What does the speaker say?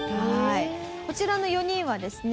こちらの４人はですね